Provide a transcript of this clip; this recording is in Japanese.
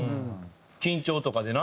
緊張とかでな。